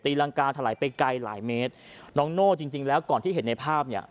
รังกาถลายไปไกลหลายเมตรน้องโน่จริงจริงแล้วก่อนที่เห็นในภาพเนี่ย